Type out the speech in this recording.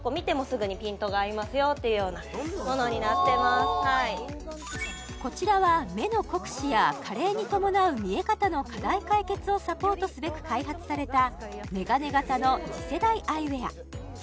すごいこちらは目の酷使や加齢に伴う見え方の課題解決をサポートすべく開発された眼鏡型の次世代アイウェア